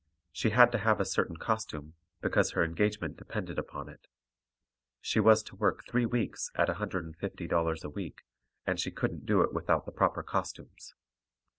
She had to have a certain costume, because her engagement depended upon it. She was to work three weeks at $150 a week, and she couldn't do it without the proper costumes.